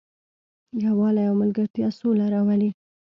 یووالی او ملګرتیا سوله راولي.